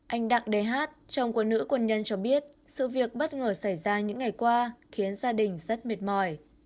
anh đặng đề hát chồng của nữ quân nhân cho biết sự việc bất ngờ xảy ra những ngày qua khiến gia đình rất mệt mỏi